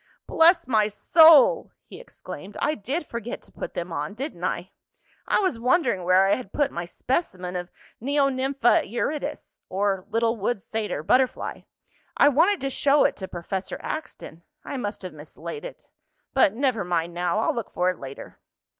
"Bless my soul!" he exclaimed. "I did forget to put them on; didn't I? I was wondering where I had put my specimen of Neonympha eurytus, or little wood satyr butterfly. I wanted to show it to Professor Axton. I must have mislaid it. But never mind now. I'll look for it later."